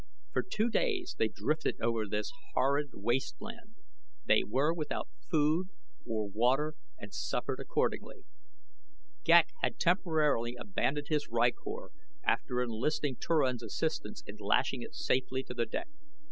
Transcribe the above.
For two days they drifted over this horrid wasteland. They were without food or water and suffered accordingly. Ghek had temporarily abandoned his rykor after enlisting Turan's assistance in lashing it safely to the deck.